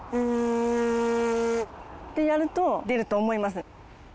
ってやると出ると思います。